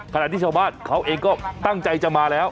ขณะที่ชาวบ้านเขาเองก็ตั้งใจจะมาแล้ว